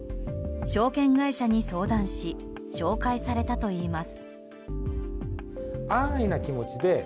証券会社に相談し紹介されたといいます。